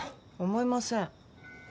思いません。